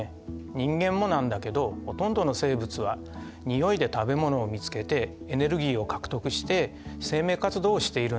人間もなんだけどほとんどの生物はにおいで食べ物を見つけてエネルギーを獲得して生命活動をしているんだ。